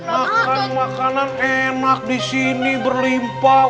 makan makanan enak di sini berlimpah